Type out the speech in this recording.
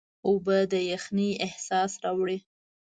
اوبه د یخنۍ احساس راوړي.